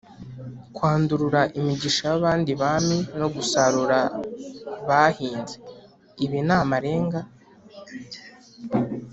kwandurura imigisha y’abandi bami no gusarura bahinze: ibi ni amarenga